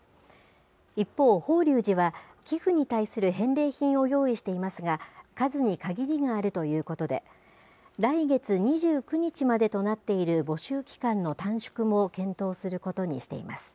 一方、法隆寺は寄付に対する返礼品を用意していますが、数に限りがあるということで、来月２９日までとなっている募集期間の短縮も検討することにしています。